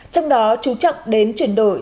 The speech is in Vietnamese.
trong đó trú trọng đến chuyển đổi